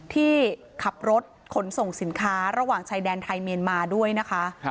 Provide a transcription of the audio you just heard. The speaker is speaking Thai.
ที่ขับรถขนส่งสินค้าระหว่างชายแดนไทยเมียนมาด้วยนะคะ